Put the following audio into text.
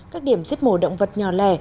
các điểm giết mổ động vật nhỏ lẻ